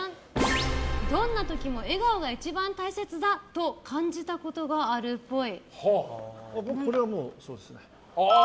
どんな時も笑顔が一番大切だ！と感じたことがあるっぽい。